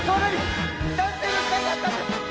「男性の死体があったんです！